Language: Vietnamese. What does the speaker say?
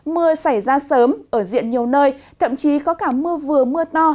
mưa xảy ra sớm ở diện nhiều nơi thậm chí có cả mưa vừa mưa to